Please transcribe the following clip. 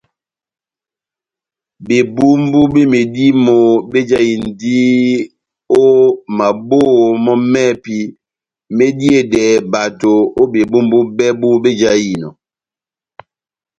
Bebumbu be medímo bejahindi o maboho mɔ mɛhɛpi mediyedɛhɛ bato o bebumbu bɛbu bejahinɔ.